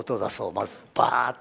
まずバーッて。